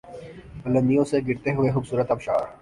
بلندیوں سے گرتے ہوئے خوبصورت آبشار